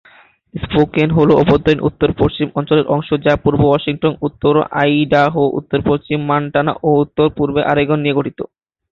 Spoken হল অভ্যন্তরীণ উত্তর-পশ্চিম অঞ্চলের অংশ, যা পূর্ব ওয়াশিংটন, উত্তর আইডাহো, উত্তর-পশ্চিম মন্টানা ও উত্তর-পূর্ব অরেগন নিয়ে গঠিত।